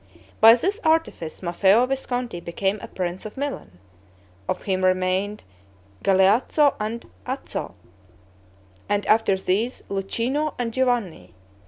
By this artifice, Maffeo Visconti became a prince of Milan. Of him remained Galeazzo and Azzo; and, after these, Luchino and Giovanni.